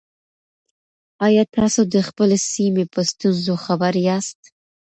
آیا تاسو د خپلې سیمې په ستونزو خبر یاست؟